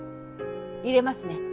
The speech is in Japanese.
淹れますね。